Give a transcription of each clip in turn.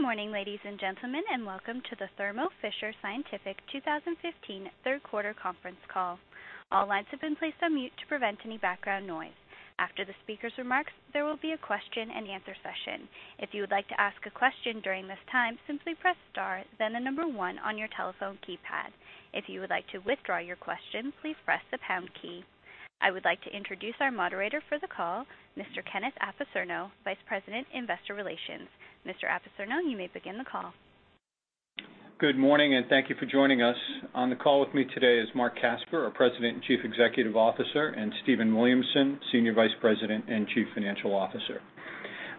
Good morning, ladies and gentlemen, and welcome to the Thermo Fisher Scientific 2015 third quarter conference call. All lines have been placed on mute to prevent any background noise. After the speaker's remarks, there will be a question and answer session. If you would like to ask a question during this time, simply press star, then the number 1 on your telephone keypad. If you would like to withdraw your question, please press the pound key. I would like to introduce our moderator for the call, Mr. Kenneth Apicerno, Vice President, Investor Relations. Mr. Apicerno, you may begin the call. Good morning, thank you for joining us. On the call with me today is Marc Casper, our President and Chief Executive Officer, and Stephen Williamson, Senior Vice President and Chief Financial Officer.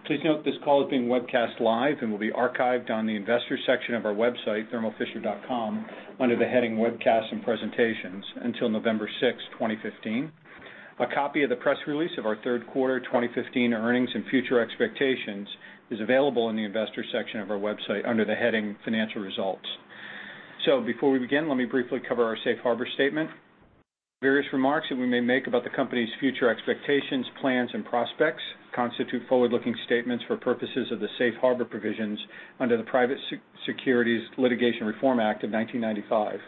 Please note this call is being webcast live and will be archived on the investor section of our website, thermofisher.com, under the heading Webcasts and Presentations until November 6, 2015. A copy of the press release of our third quarter 2015 earnings and future expectations is available in the Investor section of our website under the heading Financial Results. Before we begin, let me briefly cover our safe harbor statement. Various remarks that we may make about the company's future expectations, plans, and prospects constitute forward-looking statements for purposes of the safe harbor provisions under the Private Securities Litigation Reform Act of 1995.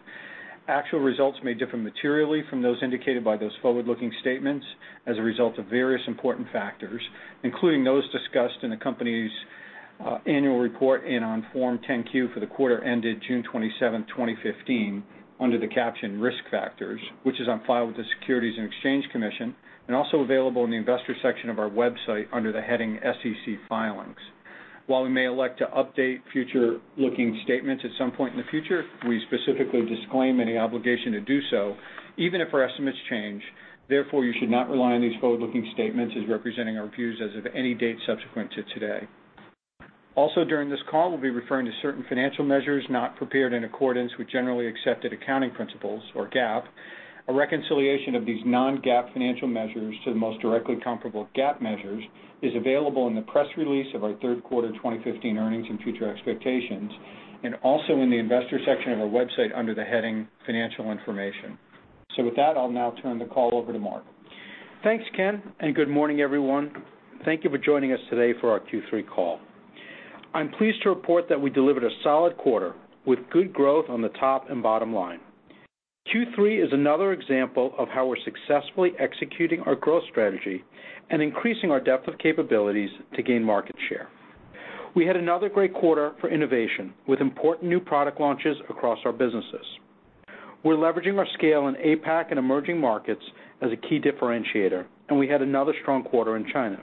Actual results may differ materially from those indicated by those forward-looking statements as a result of various important factors, including those discussed in the company's annual report and on Form 10-Q for the quarter ended June 27, 2015, under the caption Risk Factors, which is on file with the Securities and Exchange Commission and also available in the Investor section of our website under the heading SEC Filings. While we may elect to update future-looking statements at some point in the future, we specifically disclaim any obligation to do so, even if our estimates change. Therefore, you should not rely on these forward-looking statements as representing our views as of any date subsequent to today. Also, during this call, we'll be referring to certain financial measures not prepared in accordance with generally accepted accounting principles or GAAP. A reconciliation of these non-GAAP financial measures to the most directly comparable GAAP measures is available in the press release of our third quarter 2015 earnings and future expectations, and also in the Investor section of our website under the heading Financial Information. With that, I'll now turn the call over to Marc. Thanks, Ken, and good morning, everyone. Thank you for joining us today for our Q3 call. I'm pleased to report that we delivered a solid quarter with good growth on the top and bottom line. Q3 is another example of how we're successfully executing our growth strategy and increasing our depth of capabilities to gain market share. We had another great quarter for innovation with important new product launches across our businesses. We're leveraging our scale in APAC and emerging markets as a key differentiator, and we had another strong quarter in China.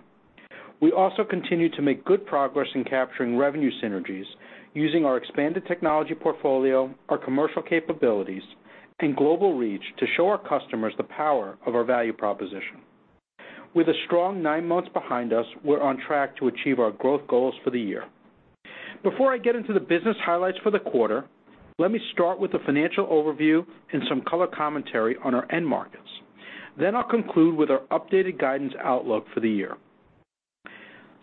We also continue to make good progress in capturing revenue synergies using our expanded technology portfolio, our commercial capabilities, and global reach to show our customers the power of our value proposition. With a strong nine months behind us, we're on track to achieve our growth goals for the year. Before I get into the business highlights for the quarter, let me start with a financial overview and some color commentary on our end markets. I'll conclude with our updated guidance outlook for the year.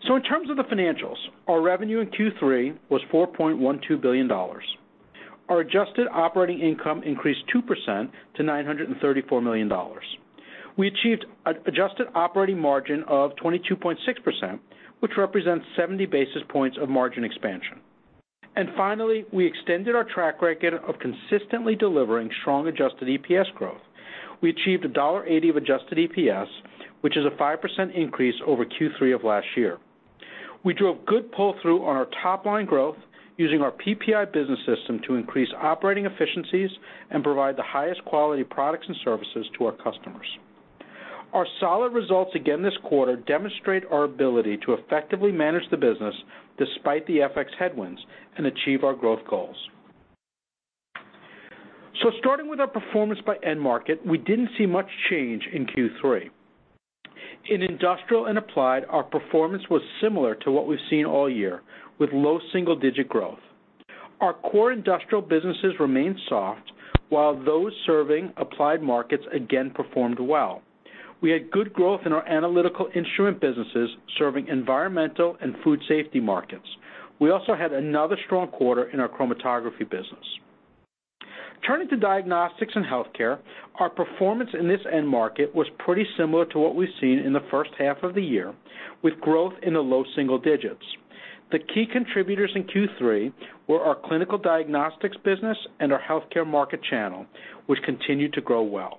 In terms of the financials, our revenue in Q3 was $4.12 billion. Our adjusted operating income increased 2% to $934 million. We achieved an adjusted operating margin of 22.6%, which represents 70 basis points of margin expansion. Finally, we extended our track record of consistently delivering strong adjusted EPS growth. We achieved $1.80 of adjusted EPS, which is a 5% increase over Q3 of last year. We drove good pull-through on our top-line growth using our PPI business system to increase operating efficiencies and provide the highest quality products and services to our customers. Our solid results again this quarter demonstrate our ability to effectively manage the business despite the FX headwinds and achieve our growth goals. Starting with our performance by end market, we didn't see much change in Q3. In Industrial and Applied, our performance was similar to what we've seen all year, with low single-digit growth. Our core industrial businesses remained soft, while those serving applied markets again performed well. We had good growth in our Analytical Instruments businesses serving environmental and food safety markets. We also had another strong quarter in our chromatography business. Turning to Diagnostics and Healthcare, our performance in this end market was pretty similar to what we've seen in the first half of the year, with growth in the low single digits. The key contributors in Q3 were our clinical diagnostics business and our healthcare market channel, which continued to grow well.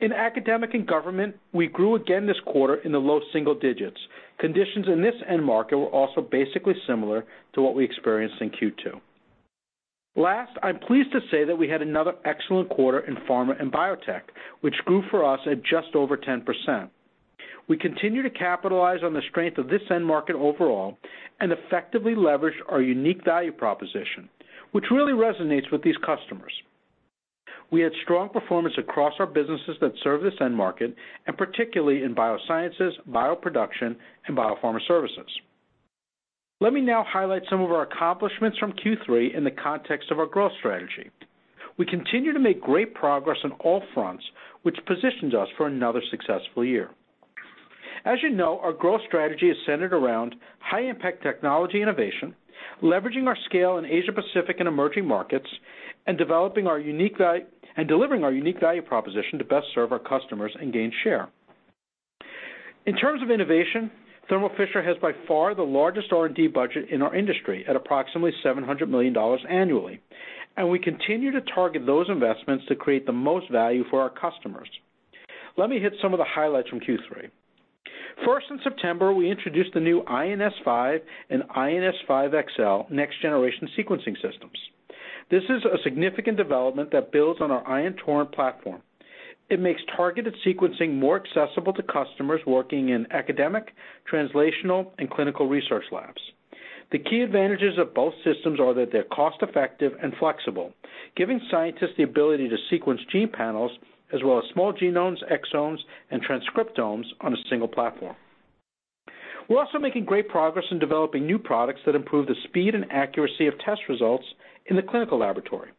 In Academic and Government, we grew again this quarter in the low single digits. Conditions in this end market were also basically similar to what we experienced in Q2. I'm pleased to say that we had another excellent quarter in Pharma and Biotech, which grew for us at just over 10%. We continue to capitalize on the strength of this end market overall and effectively leverage our unique value proposition, which really resonates with these customers. We had strong performance across our businesses that serve this end market, and particularly in biosciences, bioproduction, and biopharma services. Let me now highlight some of our accomplishments from Q3 in the context of our growth strategy. We continue to make great progress on all fronts, which positions us for another successful year. As you know, our growth strategy is centered around high-impact technology innovation, leveraging our scale in Asia Pacific and emerging markets, and delivering our unique value proposition to best serve our customers and gain share. In terms of innovation, Thermo Fisher has by far the largest R&D budget in our industry at approximately $700 million annually, and we continue to target those investments to create the most value for our customers. Let me hit some of the highlights from Q3. First, in September, we introduced the new Ion S5 and Ion S5 XL next-generation sequencing systems. This is a significant development that builds on our Ion Torrent platform. It makes targeted sequencing more accessible to customers working in academic, translational, and clinical research labs. The key advantages of both systems are that they're cost-effective and flexible, giving scientists the ability to sequence gene panels as well as small genomes, exomes, and transcriptomes on a single platform. We're also making great progress in developing new products that improve the speed and accuracy of test results in the clinical laboratory.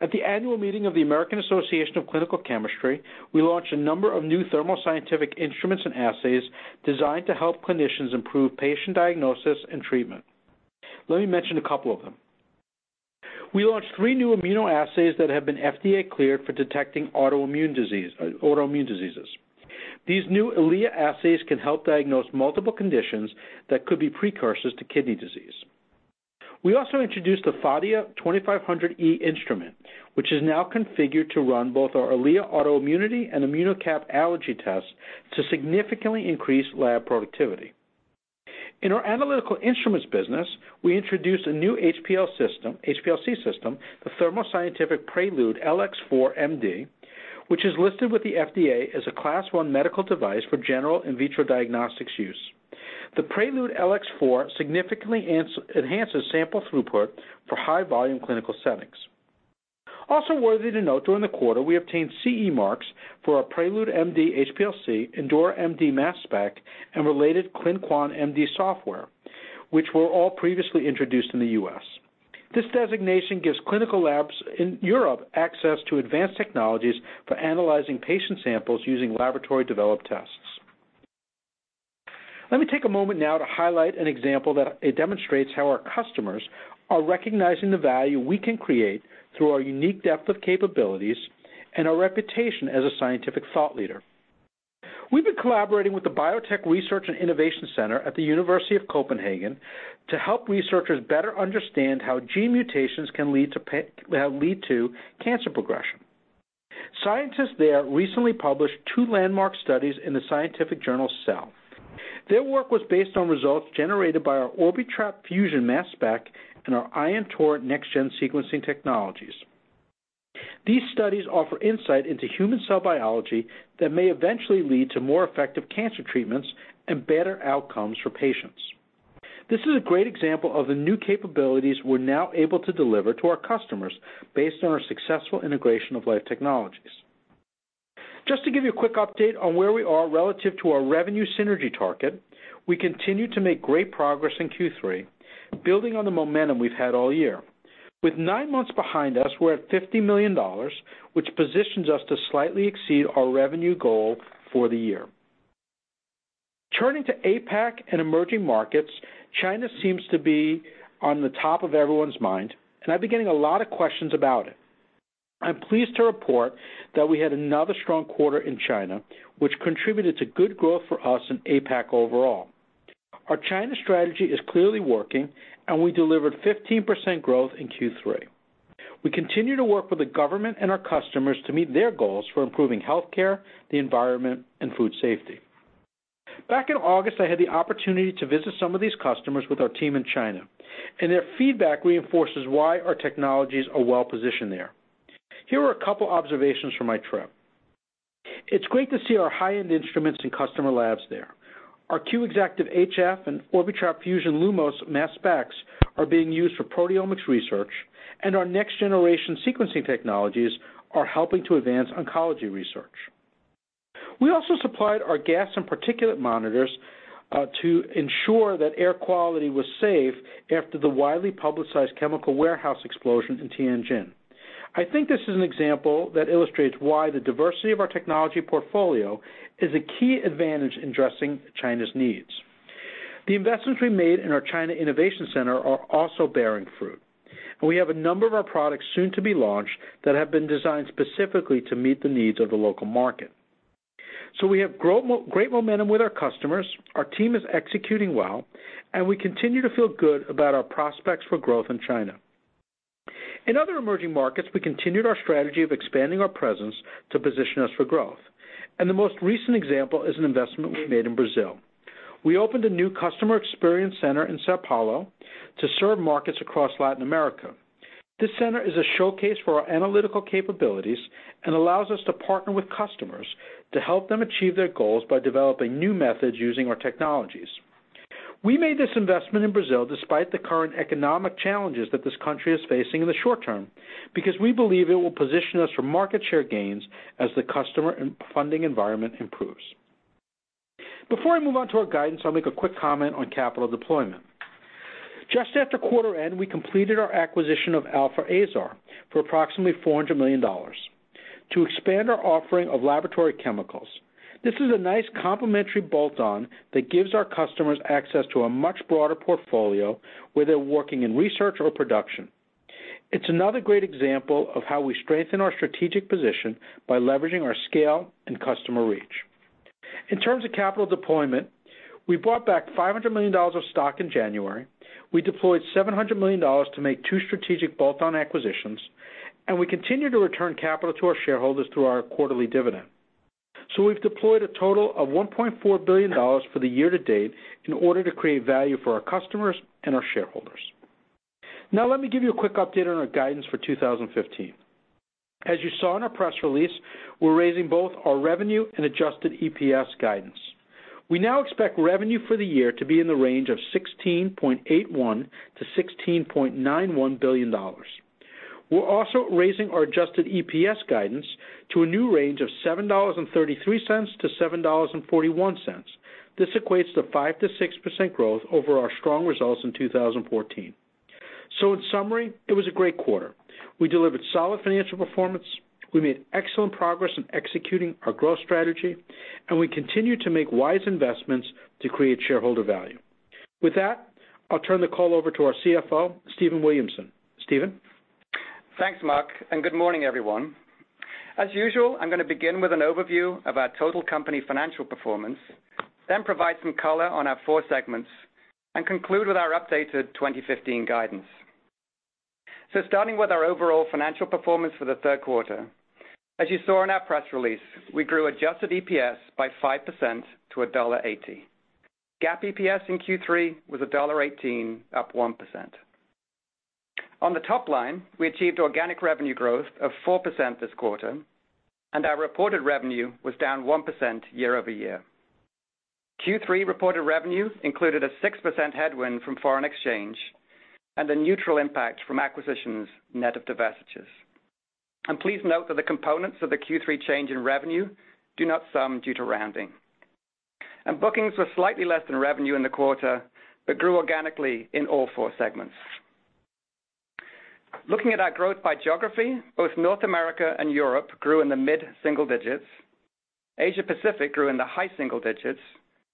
At the annual meeting of the American Association for Clinical Chemistry, we launched a number of new Thermo Scientific instruments and assays designed to help clinicians improve patient diagnosis and treatment. Let me mention a couple of them. We launched three new immunoassays that have been FDA-cleared for detecting autoimmune diseases. These new EliA assays can help diagnose multiple conditions that could be precursors to kidney disease. We also introduced the Phadia 2500E instrument, which is now configured to run both our EliA Autoimmunity and ImmunoCAP Allergy tests to significantly increase lab productivity. In our Analytical Instruments business, we introduced a new HPLC system, the Thermo Scientific Prelude LX-4 MD, which is listed with the FDA as a Class 1 medical device for general in vitro diagnostics use. The Prelude LX-4 significantly enhances sample throughput for high-volume clinical settings. Also worthy to note, during the quarter, we obtained CE marks for our Prelude MD HPLC, Endura MD Mass Spec, and related ClinQuan MD software, which were all previously introduced in the U.S. This designation gives clinical labs in Europe access to advanced technologies for analyzing patient samples using laboratory-developed tests. Let me take a moment now to highlight an example that demonstrates how our customers are recognizing the value we can create through our unique depth of capabilities and our reputation as a scientific thought leader. We've been collaborating with the Biotech Research & Innovation Centre at the University of Copenhagen to help researchers better understand how gene mutations can lead to cancer progression. Scientists there recently published two landmark studies in the scientific journal, "Cell." Their work was based on results generated by our Orbitrap Fusion Mass Spec and our Ion Torrent next-gen sequencing technologies. These studies offer insight into human cell biology that may eventually lead to more effective cancer treatments and better outcomes for patients. This is a great example of the new capabilities we're now able to deliver to our customers based on our successful integration of Life Technologies. Just to give you a quick update on where we are relative to our revenue synergy target, we continue to make great progress in Q3, building on the momentum we've had all year. With nine months behind us, we're at $50 million, which positions us to slightly exceed our revenue goal for the year. Turning to APAC and emerging markets, China seems to be on the top of everyone's mind, and I've been getting a lot of questions about it. I'm pleased to report that we had another strong quarter in China, which contributed to good growth for us in APAC overall. Our China strategy is clearly working, and we delivered 15% growth in Q3. We continue to work with the government and our customers to meet their goals for improving healthcare, the environment, and food safety. Back in August, I had the opportunity to visit some of these customers with our team in China, and their feedback reinforces why our technologies are well-positioned there. Here are a couple observations from my trip. It's great to see our high-end instruments in customer labs there. Our Q Exactive HF and Orbitrap Fusion Lumos Mass Specs are being used for proteomics research, and our next-generation sequencing technologies are helping to advance oncology research. We also supplied our gas and particulate monitors to ensure that air quality was safe after the widely publicized chemical warehouse explosion in Tianjin. I think this is an example that illustrates why the diversity of our technology portfolio is a key advantage in addressing China's needs. The investments we made in our China Innovation Center are also bearing fruit, and we have a number of our products soon to be launched that have been designed specifically to meet the needs of the local market. We have great momentum with our customers, our team is executing well, and we continue to feel good about our prospects for growth in China. In other emerging markets, we continued our strategy of expanding our presence to position us for growth, and the most recent example is an investment we made in Brazil. We opened a new customer experience center in São Paulo to serve markets across Latin America. This center is a showcase for our analytical capabilities and allows us to partner with customers to help them achieve their goals by developing new methods using our technologies. We made this investment in Brazil despite the current economic challenges that this country is facing in the short term because we believe it will position us for market share gains as the customer and funding environment improves. Before I move on to our guidance, I'll make a quick comment on capital deployment. Just after quarter end, we completed our acquisition of Alfa Aesar for approximately $400 million to expand our offering of laboratory chemicals. This is a nice complementary bolt-on that gives our customers access to a much broader portfolio, whether working in research or production. It's another great example of how we strengthen our strategic position by leveraging our scale and customer reach. In terms of capital deployment, we bought back $500 million of stock in January. We deployed $700 million to make two strategic bolt-on acquisitions, and we continue to return capital to our shareholders through our quarterly dividend. We've deployed a total of $1.4 billion for the year to date in order to create value for our customers and our shareholders. Now, let me give you a quick update on our guidance for 2015. As you saw in our press release, we're raising both our revenue and adjusted EPS guidance. We now expect revenue for the year to be in the range of $16.81 billion-$16.91 billion. We're also raising our adjusted EPS guidance to a new range of $7.33-$7.41. This equates to 5%-6% growth over our strong results in 2014. In summary, it was a great quarter. We delivered solid financial performance, we made excellent progress in executing our growth strategy, and we continued to make wise investments to create shareholder value. With that, I'll turn the call over to our CFO, Stephen Williamson. Stephen? Thanks, Marc, and good morning, everyone. As usual, I'm going to begin with an overview of our total company financial performance, then provide some color on our four segments, and conclude with our updated 2015 guidance. Starting with our overall financial performance for the third quarter, as you saw in our press release, we grew adjusted EPS by 5% to $1.80. GAAP EPS in Q3 was $1.18, up 1%. On the top line, we achieved organic revenue growth of 4% this quarter, and our reported revenue was down 1% year-over-year. Q3 reported revenue included a 6% headwind from foreign exchange and a neutral impact from acquisitions, net of divestitures. Please note that the components of the Q3 change in revenue do not sum due to rounding. Bookings were slightly less than revenue in the quarter but grew organically in all four segments. Looking at our growth by geography, both North America and Europe grew in the mid-single digits. Asia Pacific grew in the high single digits,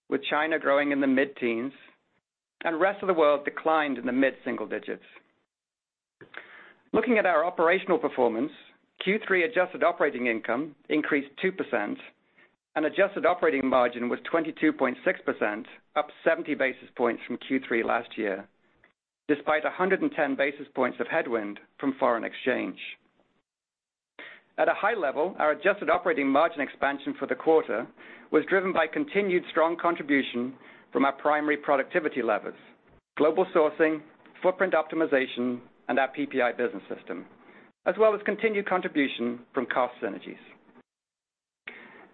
with China growing in the mid-teens, and the rest of the world declined in the mid-single digits. Looking at our operational performance, Q3 adjusted operating income increased 2%, and adjusted operating margin was 22.6%, up 70 basis points from Q3 last year, despite 110 basis points of headwind from foreign exchange. At a high level, our adjusted operating margin expansion for the quarter was driven by continued strong contribution from our primary productivity levers: global sourcing, footprint optimization, and our PPI business system, as well as continued contribution from cost synergies.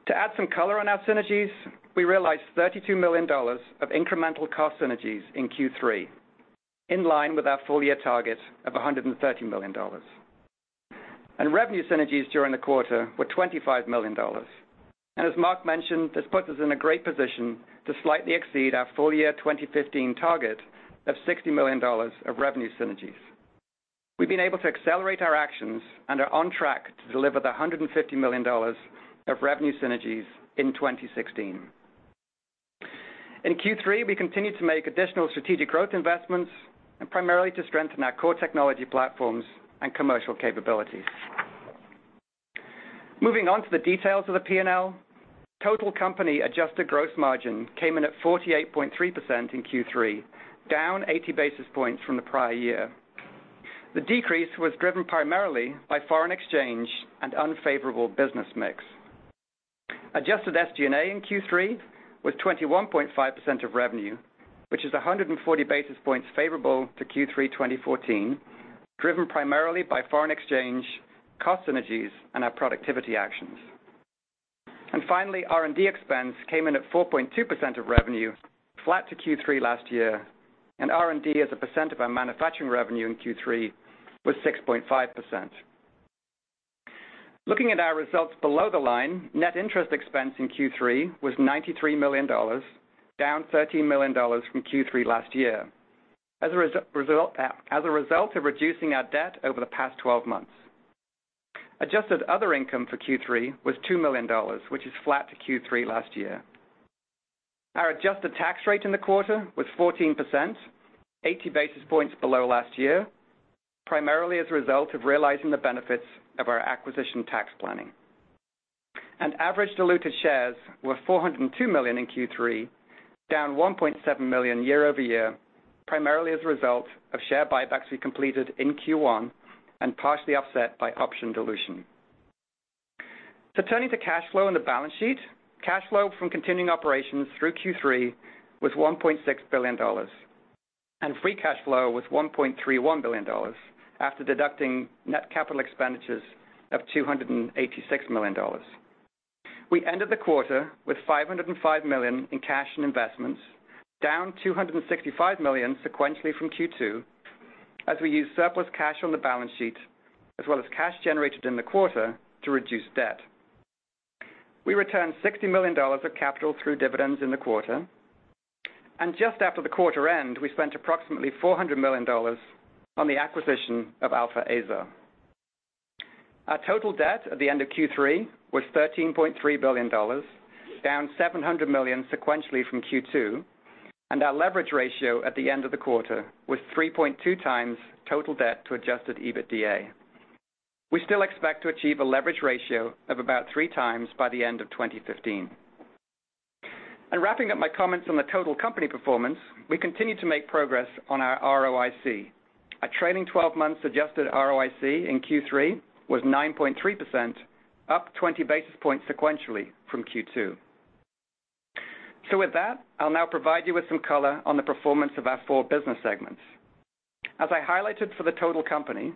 To add some color on our synergies, we realized $32 million of incremental cost synergies in Q3, in line with our full-year target of $130 million. Revenue synergies during the quarter were $25 million. As Marc mentioned, this puts us in a great position to slightly exceed our full-year 2015 target of $60 million of revenue synergies. We've been able to accelerate our actions and are on track to deliver the $150 million of revenue synergies in 2016. In Q3, we continued to make additional strategic growth investments, primarily to strengthen our core technology platforms and commercial capabilities. Moving on to the details of the P&L, total company adjusted gross margin came in at 48.3% in Q3, down 80 basis points from the prior year. The decrease was driven primarily by foreign exchange and unfavorable business mix. Adjusted SG&A in Q3 was 21.5% of revenue, which is 140 basis points favorable to Q3 2014, driven primarily by foreign exchange, cost synergies, and our productivity actions. Finally, R&D expense came in at 4.2% of revenue, flat to Q3 last year, and R&D as a percent of our manufacturing revenue in Q3 was 6.5%. Looking at our results below the line, net interest expense in Q3 was $93 million, down $13 million from Q3 last year as a result of reducing our debt over the past 12 months. Adjusted other income for Q3 was $2 million, which is flat to Q3 last year. Our adjusted tax rate in the quarter was 14%, 80 basis points below last year, primarily as a result of realizing the benefits of our acquisition tax planning. Average diluted shares were 402 million in Q3, down 1.7 million year-over-year, primarily as a result of share buybacks we completed in Q1 and partially offset by option dilution. Turning to cash flow and the balance sheet, cash flow from continuing operations through Q3 was $1.6 billion, and free cash flow was $1.31 billion, after deducting net capital expenditures of $286 million. We ended the quarter with $505 million in cash and investments, down $265 million sequentially from Q2, as we used surplus cash on the balance sheet as well as cash generated in the quarter to reduce debt. We returned $60 million of capital through dividends in the quarter, and just after the quarter end, we spent approximately $400 million on the acquisition of Alfa Aesar. Our total debt at the end of Q3 was $13.3 billion, down $700 million sequentially from Q2, and our leverage ratio at the end of the quarter was 3.2 times total debt to adjusted EBITDA. We still expect to achieve a leverage ratio of about 3 times by the end of 2015. Wrapping up my comments on the total company performance, we continue to make progress on our ROIC. Our trailing 12 months adjusted ROIC in Q3 was 9.3%, up 20 basis points sequentially from Q2. With that, I'll now provide you with some color on the performance of our four business segments. As I highlighted for the total company,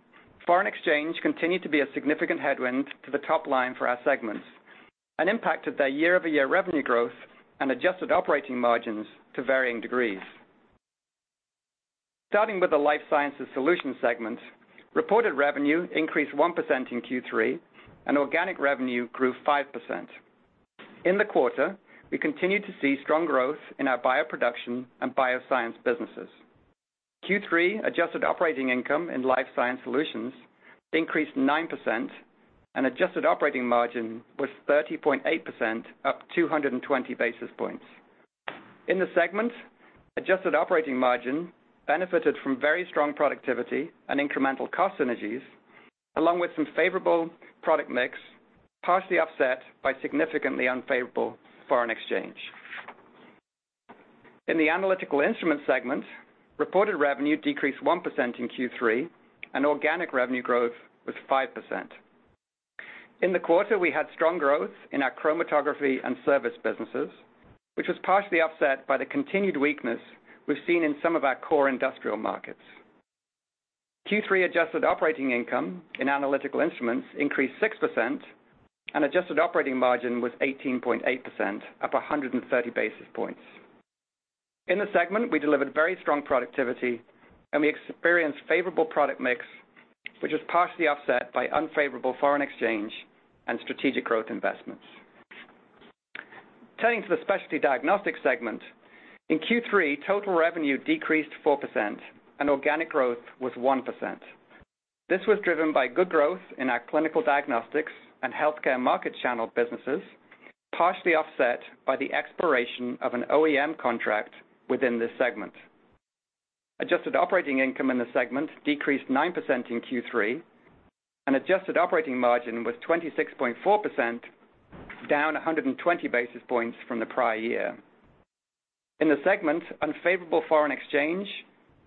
foreign exchange continued to be a significant headwind to the top line for our segments and impacted their year-over-year revenue growth and adjusted operating margins to varying degrees. Starting with the Life Sciences Solutions segment, reported revenue increased 1% in Q3, and organic revenue grew 5%. In the quarter, we continued to see strong growth in our bioproduction and bioscience businesses. Q3 adjusted operating income in Life Sciences Solutions increased 9%, and adjusted operating margin was 30.8%, up 220 basis points. In the segment, adjusted operating margin benefited from very strong productivity and incremental cost synergies, along with some favorable product mix, partially offset by significantly unfavorable foreign exchange. In the Analytical Instruments segment, reported revenue decreased 1% in Q3, and organic revenue growth was 5%. In the quarter, we had strong growth in our chromatography and service businesses, which was partially offset by the continued weakness we've seen in some of our core industrial markets. Q3 adjusted operating income in Analytical Instruments increased 6%, and adjusted operating margin was 18.8%, up 130 basis points. In the segment, we delivered very strong productivity, and we experienced favorable product mix, which was partially offset by unfavorable foreign exchange and strategic growth investments. Turning to the Specialty Diagnostics segment, in Q3, total revenue decreased 4%, and organic growth was 1%. This was driven by good growth in our clinical diagnostics and healthcare market channel businesses, partially offset by the expiration of an OEM contract within this segment. Adjusted operating income in the segment decreased 9% in Q3, and adjusted operating margin was 26.4%, down 120 basis points from the prior year. In the segment, unfavorable foreign exchange,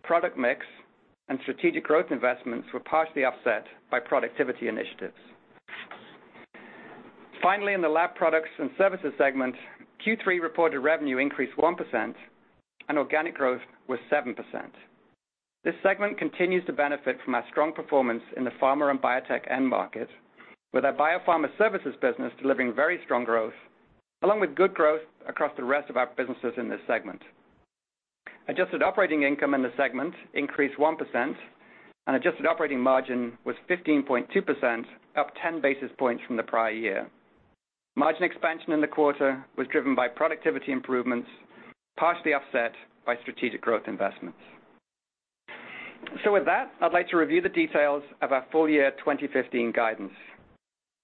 product mix, and strategic growth investments were partially offset by productivity initiatives. Finally, in the Lab Products and Services segment, Q3 reported revenue increased 1%, and organic growth was 7%. This segment continues to benefit from our strong performance in the pharma and biotech end market, with our biopharma services business delivering very strong growth, along with good growth across the rest of our businesses in this segment. Adjusted operating income in the segment increased 1%, and adjusted operating margin was 15.2%, up 10 basis points from the prior year. Margin expansion in the quarter was driven by productivity improvements, partially offset by strategic growth investments. With that, I'd like to review the details of our full year 2015 guidance.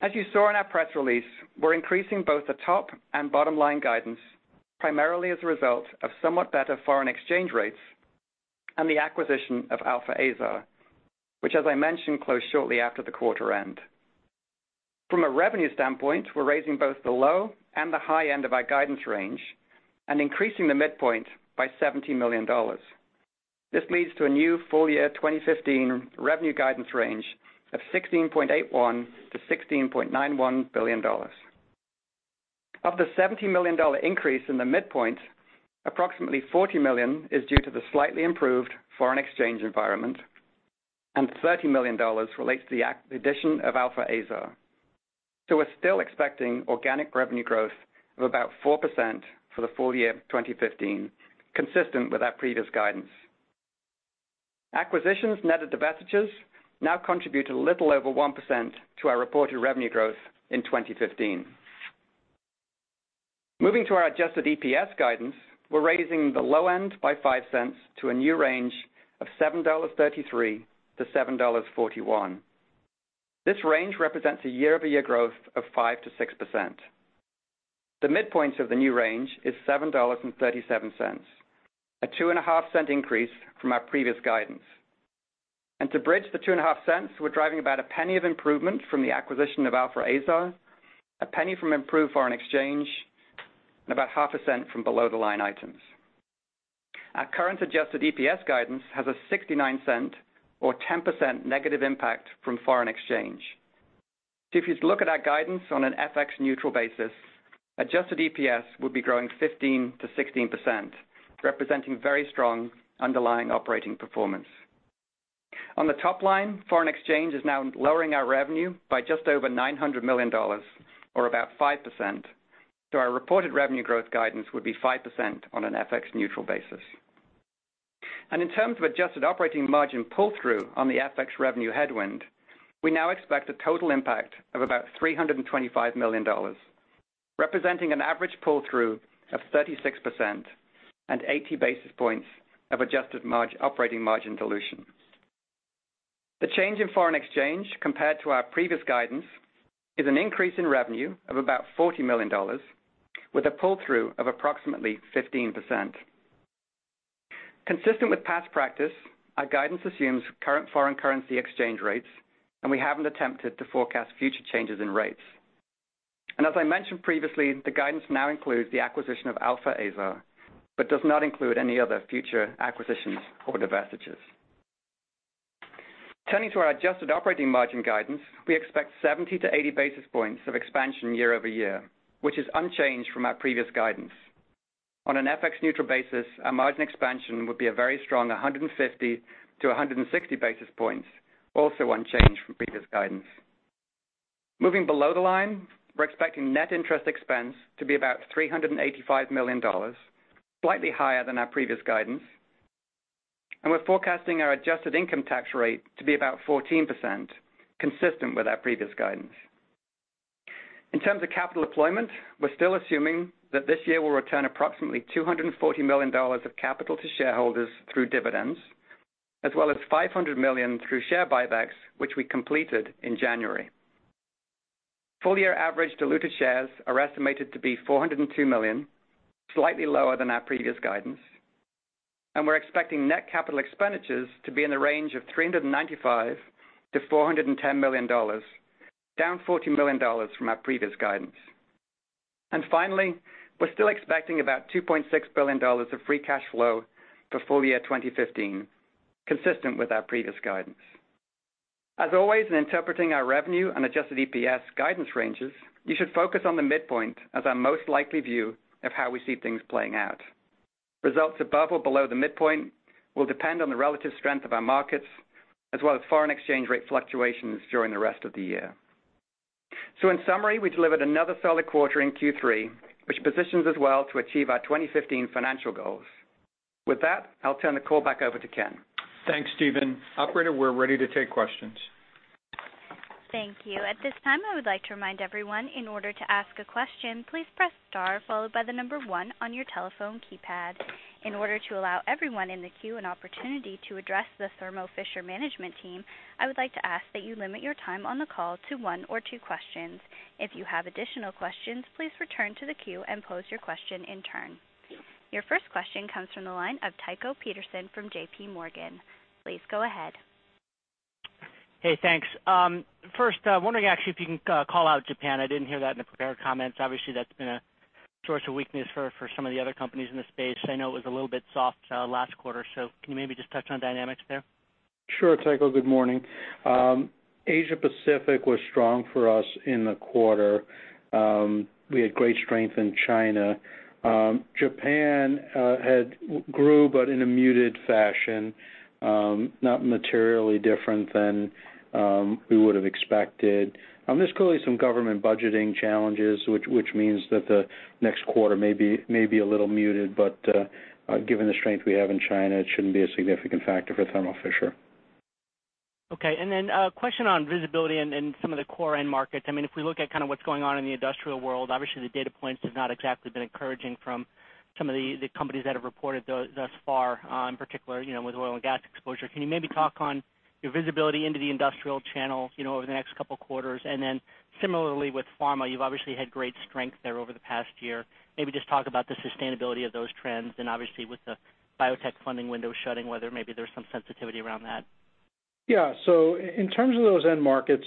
As you saw in our press release, we're increasing both the top and bottom-line guidance primarily as a result of somewhat better foreign exchange rates and the acquisition of Alfa Aesar, which as I mentioned, closed shortly after the quarter end. From a revenue standpoint, we're raising both the low and the high end of our guidance range and increasing the midpoint by $70 million. This leads to a new full year 2015 revenue guidance range of $16.81 billion to $16.91 billion. Of the $70 million increase in the midpoint, approximately $40 million is due to the slightly improved foreign exchange environment, and $30 million relates to the acquisition of Alfa Aesar. We're still expecting organic revenue growth of about 4% for the full year 2015, consistent with our previous guidance. Acquisitions net of divestitures now contribute a little over 1% to our reported revenue growth in 2015. Moving to our adjusted EPS guidance, we're raising the low end by $0.05 to a new range of $7.33 to $7.41. This range represents a year-over-year growth of 5% to 6%. The midpoint of the new range is $7.37, a $0.025 increase from our previous guidance. To bridge the $0.025, we're driving about $0.01 of improvement from the acquisition of Alfa Aesar, $0.01 from improved foreign exchange, and about $0.005 from below-the-line items. Our current adjusted EPS guidance has a $0.69 or 10% negative impact from foreign exchange. If you look at our guidance on an FX neutral basis, adjusted EPS would be growing 15% to 16%, representing very strong underlying operating performance. On the top line, foreign exchange is now lowering our revenue by just over $900 million, or about 5%. Our reported revenue growth guidance would be 5% on an FX neutral basis. In terms of adjusted operating margin pull-through on the FX revenue headwind, we now expect a total impact of about $325 million. Representing an average pull-through of 36% and 80 basis points of adjusted operating margin dilution. The change in foreign exchange compared to our previous guidance is an increase in revenue of about $40 million, with a pull-through of approximately 15%. Consistent with past practice, our guidance assumes current foreign currency exchange rates, we haven't attempted to forecast future changes in rates. As I mentioned previously, the guidance now includes the acquisition of Alfa Aesar, does not include any other future acquisitions or divestitures. Turning to our adjusted operating margin guidance, we expect 70 to 80 basis points of expansion year-over-year, which is unchanged from our previous guidance. On an FX neutral basis, our margin expansion would be a very strong 150 to 160 basis points, also unchanged from previous guidance. Moving below the line, we're expecting net interest expense to be about $385 million, slightly higher than our previous guidance. We're forecasting our adjusted income tax rate to be about 14%, consistent with our previous guidance. In terms of capital deployment, we're still assuming that this year we'll return approximately $240 million of capital to shareholders through dividends, as well as $500 million through share buybacks, which we completed in January. Full year average diluted shares are estimated to be 402 million, slightly lower than our previous guidance. We're expecting net capital expenditures to be in the range of $395 million-$410 million, down $40 million from our previous guidance. Finally, we're still expecting about $2.6 billion of free cash flow for full year 2015, consistent with our previous guidance. As always, in interpreting our revenue and adjusted EPS guidance ranges, you should focus on the midpoint as our most likely view of how we see things playing out. Results above or below the midpoint will depend on the relative strength of our markets, as well as foreign exchange rate fluctuations during the rest of the year. In summary, we delivered another solid quarter in Q3, which positions us well to achieve our 2015 financial goals. With that, I'll turn the call back over to Ken. Thanks, Stephen. Operator, we're ready to take questions. Thank you. At this time, I would like to remind everyone, in order to ask a question, please press star followed by the number one on your telephone keypad. In order to allow everyone in the queue an opportunity to address the Thermo Fisher management team, I would like to ask that you limit your time on the call to one or two questions. If you have additional questions, please return to the queue and pose your question in turn. Your first question comes from the line of Tycho Peterson from J.P. Morgan. Please go ahead. Hey, thanks. First, I'm wondering actually if you can call out Japan. I didn't hear that in the prepared comments. Obviously, that's been a source of weakness for some of the other companies in this space. I know it was a little bit soft last quarter. Can you maybe just touch on dynamics there? Sure, Tycho. Good morning. Asia Pacific was strong for us in the quarter. We had great strength in China. Japan grew, but in a muted fashion, not materially different than we would have expected. There's clearly some government budgeting challenges, which means that the next quarter may be a little muted. Given the strength we have in China, it shouldn't be a significant factor for Thermo Fisher. Okay, a question on visibility and some of the core end markets. If we look at kind of what's going on in the industrial world, obviously the data points have not exactly been encouraging from some of the companies that have reported thus far, in particular, with oil and gas exposure. Can you maybe talk on your visibility into the industrial channel over the next couple quarters? Then similarly with pharma, you've obviously had great strength there over the past year. Maybe just talk about the sustainability of those trends and obviously with the biotech funding window shutting, whether maybe there's some sensitivity around that. In terms of those end markets,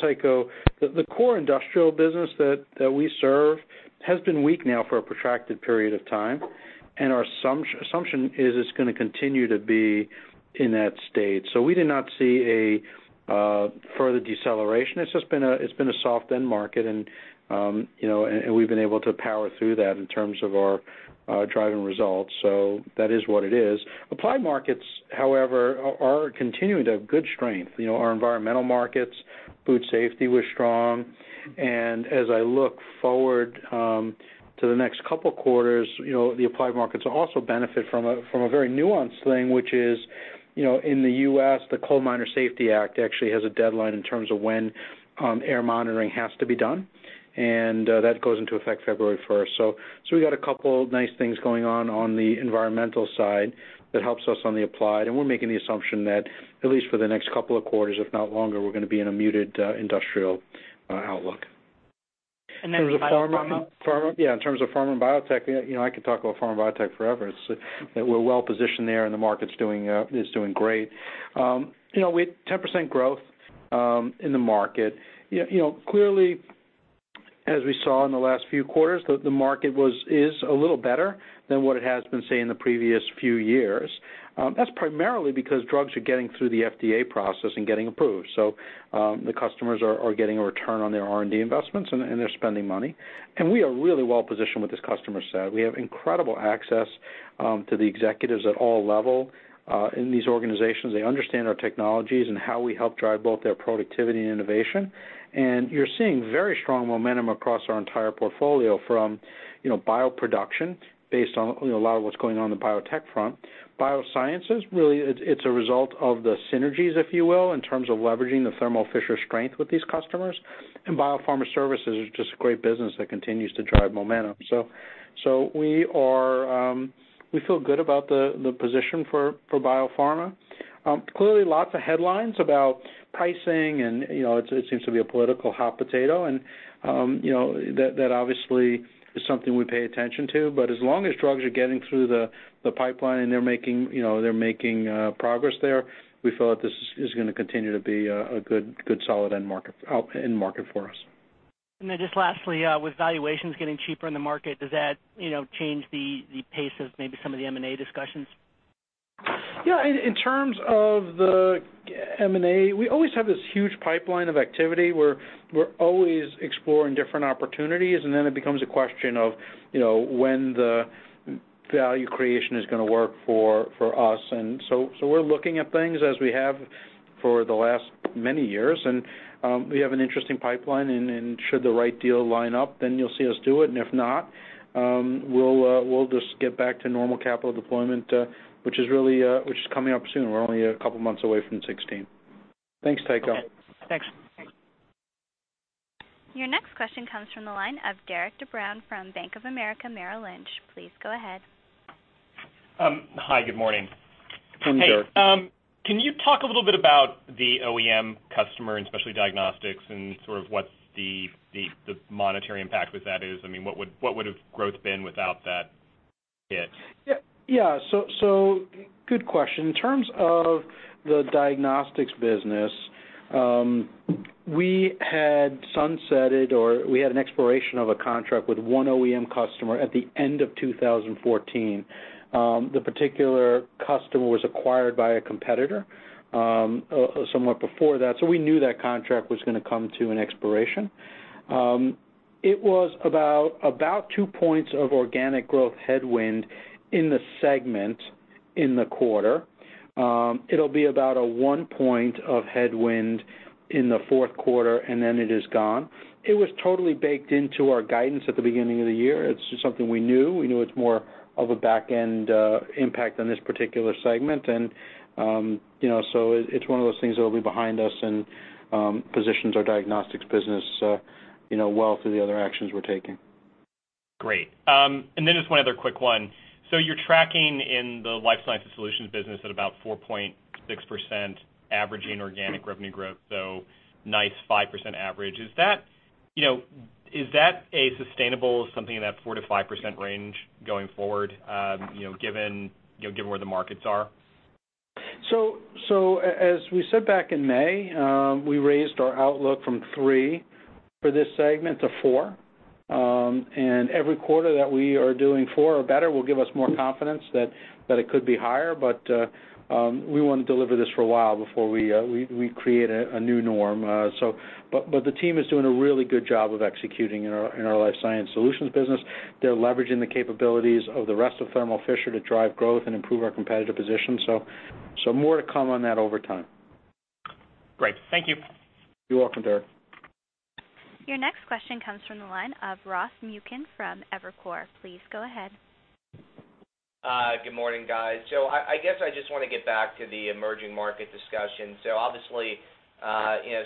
Tycho, the core industrial business that we serve has been weak now for a protracted period of time, and our assumption is it's going to continue to be in that state. We did not see a further deceleration. It's been a soft end market, and we've been able to power through that in terms of our driving results. That is what it is. Applied markets, however, are continuing to have good strength. Our environmental markets, food safety was strong. As I look forward to the next 2 quarters, the applied markets will also benefit from a very nuanced thing, which is in the U.S., the Coal Miner Safety Act actually has a deadline in terms of when air monitoring has to be done, and that goes into effect February 1st. We got 2 nice things going on on the environmental side that helps us on the applied, and we're making the assumption that at least for the next 2 quarters, if not longer, we're going to be in a muted industrial outlook. Biotech and pharma? In terms of pharma and biotech, I could talk about pharma and biotech forever. We're well positioned there and the market is doing great. We had 10% growth in the market. Clearly, as we saw in the last few quarters, the market is a little better than what it has been, say, in the previous few years. That's primarily because drugs are getting through the FDA process and getting approved. The customers are getting a return on their R&D investments and they're spending money. We are really well positioned with this customer set. We have incredible access to the executives at all level in these organizations. They understand our technologies and how we help drive both their productivity and innovation. You're seeing very strong momentum across our entire portfolio from bioproduction based on a lot of what's going on in the biotech front. Biosciences, really, it's a result of the synergies, if you will, in terms of leveraging the Thermo Fisher strength with these customers. Biopharma Services is just a great business that continues to drive momentum. So we feel good about the position for biopharma. Clearly, lots of headlines about pricing, and it seems to be a political hot potato, and that obviously is something we pay attention to. As long as drugs are getting through the pipeline, and they're making progress there, we feel that this is going to continue to be a good, solid end market for us. Just lastly, with valuations getting cheaper in the market, does that change the pace of maybe some of the M&A discussions? Yeah. In terms of the M&A, we always have this huge pipeline of activity. We're always exploring different opportunities, and then it becomes a question of when the value creation is going to work for us. We're looking at things as we have for the last many years, and we have an interesting pipeline, and should the right deal line up, then you'll see us do it. If not, we'll just get back to normal capital deployment, which is coming up soon. We're only a couple of months away from 2016. Thanks, Tycho. Okay, thanks. Your next question comes from the line of Derik De Bruin from Bank of America Merrill Lynch. Please go ahead. Hi, good morning. Hi, Derik. Can you talk a little bit about the OEM customer, and Specialty Diagnostics and sort of what's the monetary impact with that is? I mean, what would have growth been without that hit? Yeah. Good question. In terms of the diagnostics business, we had sunsetted, or we had an expiration of a contract with one OEM customer at the end of 2014. The particular customer was acquired by a competitor somewhat before that, we knew that contract was going to come to an expiration. It was about two points of organic growth headwind in the segment in the quarter. It'll be about a one point of headwind in the fourth quarter, then it is gone. It was totally baked into our guidance at the beginning of the year. It's just something we knew. We knew it's more of a back end impact on this particular segment, it's one of those things that will be behind us and positions our diagnostics business well through the other actions we're taking. Great. Just one other quick one. You're tracking in the Life Sciences Solutions business at about 4.6% average in organic revenue growth. Nice 5% average. Is that a sustainable, something in that four to five percent range going forward, given where the markets are? As we said back in May, we raised our outlook from three for this segment to four, every quarter that we are doing four or better will give us more confidence that it could be higher. We want to deliver this for a while before we create a new norm. The team is doing a really good job of executing in our Life Sciences Solutions business. They're leveraging the capabilities of the rest of Thermo Fisher to drive growth and improve our competitive position. More to come on that over time. Great. Thank you. You're welcome, Derik. Your next question comes from the line of Ross Muken from Evercore. Please go ahead. Good morning, guys. I guess I just want to get back to the emerging market discussion. Obviously,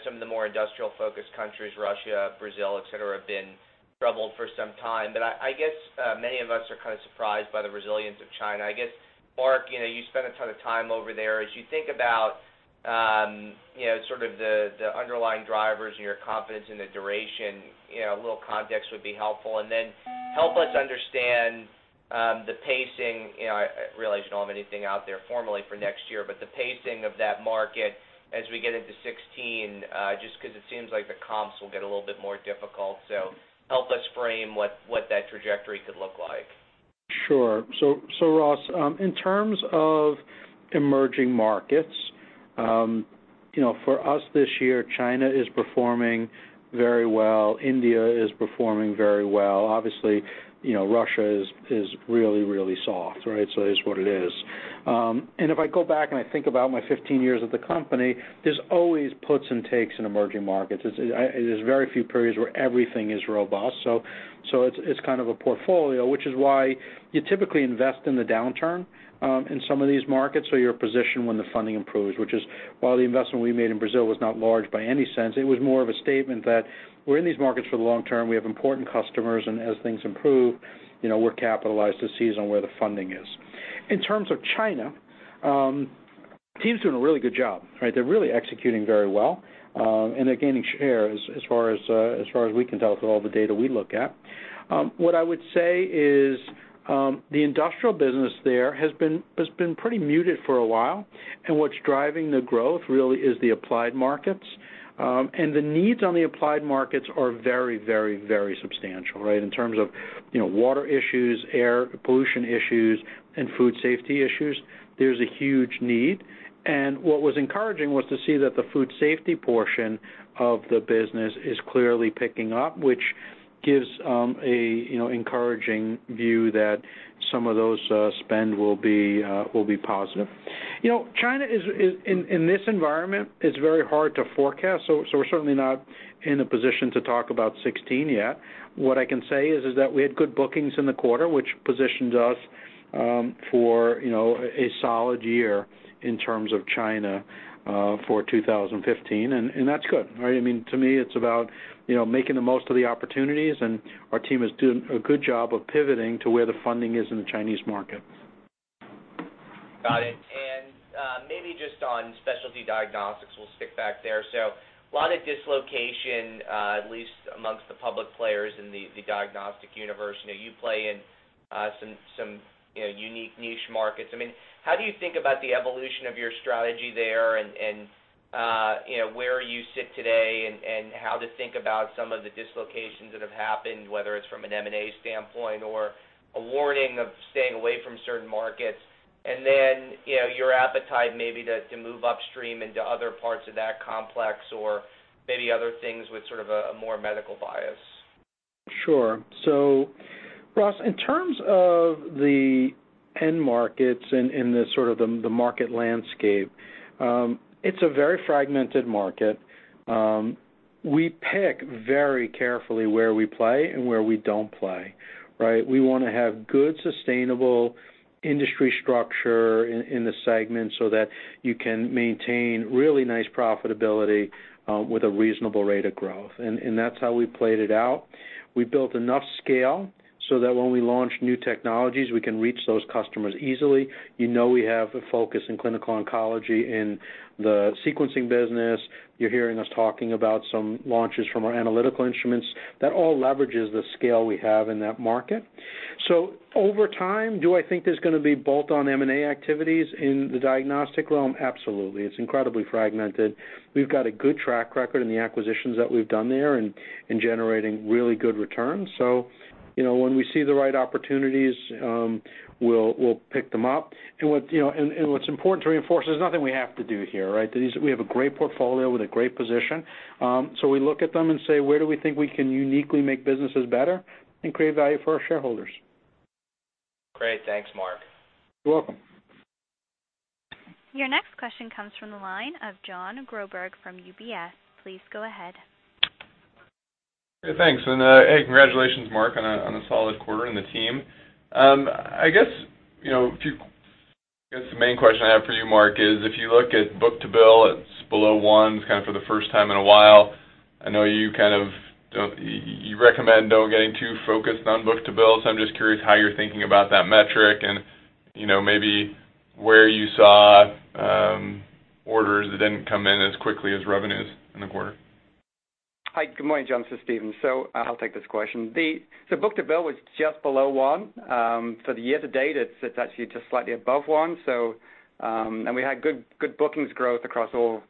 some of the more industrial-focused countries, Russia, Brazil, et cetera, have been troubled for some time. I guess, many of us are kind of surprised by the resilience of China. I guess, Marc, you spend a ton of time over there. As you think about sort of the underlying drivers and your confidence in the duration, a little context would be helpful. Help us understand the pacing. I realize you don't have anything out there formally for next year, but the pacing of that market as we get into 2016, just because it seems like the comps will get a little bit more difficult. Help us frame what that trajectory could look like. Sure. Ross, in terms of emerging markets, for us this year, China is performing very well. India is performing very well. Obviously, Russia is really soft, right? It is what it is. If I go back, and I think about my 15 years at the company, there's always puts and takes in emerging markets. There's very few periods where everything is robust. It's kind of a portfolio, which is why you typically invest in the downturn in some of these markets, so you're positioned when the funding improves, which is, while the investment we made in Brazil was not large by any sense, it was more of a statement that we're in these markets for the long term. We have important customers, and as things improve, we're capitalized to seize on where the funding is. In terms of China, team's doing a really good job, right? They're really executing very well. They're gaining share as far as we can tell with all the data we look at. What I would say is the industrial business there has been pretty muted for a while, what's driving the growth really is the applied markets. The needs on the applied markets are very substantial, right? In terms of water issues, air pollution issues, and food safety issues, there's a huge need. What was encouraging was to see that the food safety portion of the business is clearly picking up, which gives an encouraging view that some of those spend will be positive. China, in this environment, is very hard to forecast, so we're certainly not in a position to talk about 2016 yet. What I can say is that we had good bookings in the quarter, which positions us for a solid year in terms of China for 2015, that's good. To me, it's about making the most of the opportunities, our team is doing a good job of pivoting to where the funding is in the Chinese market. Got it. Maybe just on Specialty Diagnostics, we'll stick back there. A lot of dislocation, at least amongst the public players in the diagnostic universe. You play in some unique niche markets. How do you think about the evolution of your strategy there, and where you sit today, and how to think about some of the dislocations that have happened, whether it's from an M&A standpoint or a warning of staying away from certain markets? Then your appetite maybe to move upstream into other parts of that complex or maybe other things with sort of a more medical bias. Sure. Ross, in terms of the end markets and the market landscape, it's a very fragmented market. We pick very carefully where we play and where we don't play. We want to have good, sustainable industry structure in the segment so that you can maintain really nice profitability with a reasonable rate of growth. That's how we played it out. We built enough scale so that when we launch new technologies, we can reach those customers easily. You know, we have a focus in clinical oncology in the sequencing business. You're hearing us talking about some launches from our Analytical Instruments. That all leverages the scale we have in that market. Over time, do I think there's going to be bolt-on M&A activities in the diagnostic realm? Absolutely. It's incredibly fragmented. We've got a good track record in the acquisitions that we've done there and in generating really good returns. When we see the right opportunities, we'll pick them up. What's important to reinforce, there's nothing we have to do here. We have a great portfolio with a great position. We look at them and say, "Where do we think we can uniquely make businesses better and create value for our shareholders? Great. Thanks, Marc. You're welcome. Your next question comes from the line of Jon Groberg from UBS. Please go ahead. Hey, thanks. Hey, congratulations, Marc, on a solid quarter and the team. I guess the main question I have for you, Marc, is if you look at book to bill, it's below one kind of for the first time in a while. I know you recommend not getting too focused on book to bill, so I'm just curious how you're thinking about that metric and maybe where you saw orders that didn't come in as quickly as revenues in the quarter. Hi. Good morning, Jon, this is Stephen. I'll take this question. The book to bill was just below one. For the year to date, it sits actually just slightly above one. We had good bookings growth across all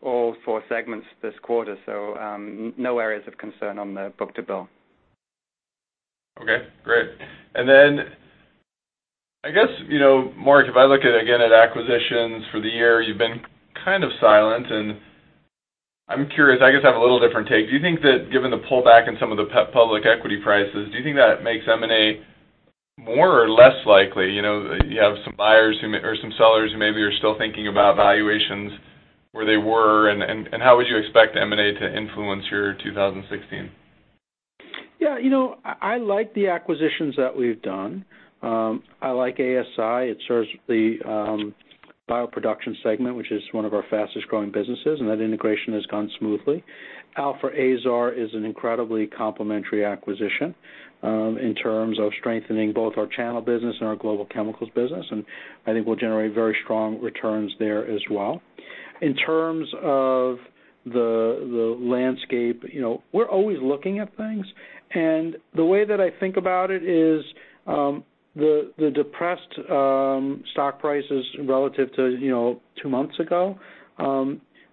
four segments this quarter, so no areas of concern on the book to bill. Okay, great. I guess, Marc, if I look at, again, at acquisitions for the year, you've been kind of silent, and I'm curious, I guess I have a little different take. Do you think that given the pullback in some of the public equity prices, do you think that makes M&A more or less likely? You have some buyers or some sellers who maybe are still thinking about valuations where they were, and how would you expect M&A to influence your 2016? Yeah. I like the acquisitions that we've done. I like ASI. It serves the bioproduction segment, which is one of our fastest-growing businesses, and that integration has gone smoothly. Alfa Aesar is an incredibly complementary acquisition in terms of strengthening both our channel business and our global chemicals business, and I think we'll generate very strong returns there as well. In terms of the landscape, we're always looking at things, and the way that I think about it is the depressed stock prices relative to two months ago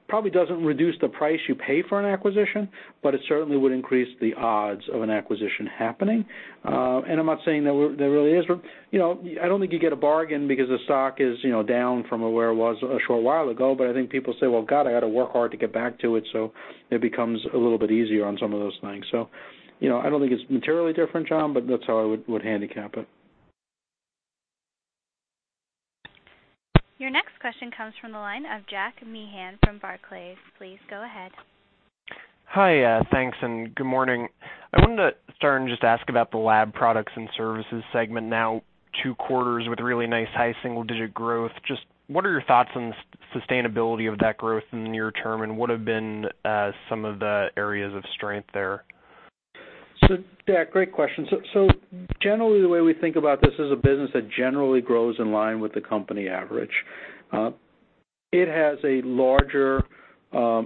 probably doesn't reduce the price you pay for an acquisition, it certainly would increase the odds of an acquisition happening. I'm not saying there really is, I don't think you get a bargain because the stock is down from where it was a short while ago. I think people say, "Well, God, I got to work hard to get back to it," it becomes a little bit easier on some of those things. I don't think it's materially different, Jon, but that's how I would handicap it. Your next question comes from the line of Jack Meehan from Barclays. Please go ahead. Hi. Thanks, and good morning. I wanted to start and just ask about the Lab Products and Services segment now two quarters with really nice high single-digit growth. Just what are your thoughts on the sustainability of that growth in the near term, and what have been some of the areas of strength there? Jack, great question. Generally, the way we think about this is a business that generally grows in line with the company average. It has a larger